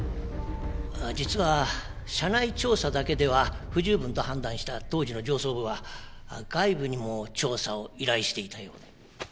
実は社内調査だけでは不十分と判断した当時の上層部は外部にも調査を依頼していたようで。